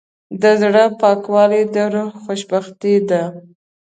د زړه پاکوالی د روح خوشبختي ده.